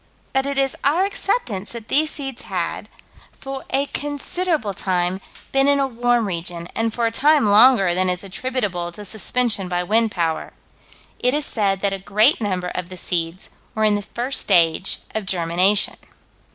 But it is our acceptance that these seeds had, for a considerable time, been in a warm region, and for a time longer than is attributable to suspension by wind power: "It is said that a great number of the seeds were in the first stage of germination."